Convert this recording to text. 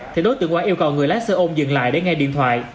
thì đối tượng quang yêu cầu người lái xe ôm dừng lại để nghe điện thoại